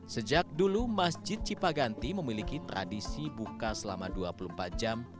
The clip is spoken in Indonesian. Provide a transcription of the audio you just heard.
sejak dulu masjid cipaganti memiliki tradisi buka selama dua puluh empat jam